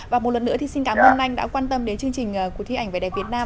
và một lần nữa thì xin cảm ơn anh đã quan tâm đến chương trình cuộc thi ảnh vẻ đẹp việt nam